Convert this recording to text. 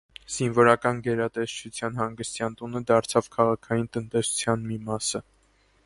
Զինվորական գերատեսչության հանգստյան տունը դարձավ քաղաքային տնտեսության մի մասը։